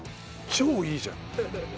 超いいじゃん。